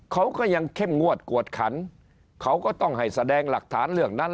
เขาก็ยังเข้มงวดกวดขันเขาก็ต้องให้แสดงหลักฐานเรื่องนั้น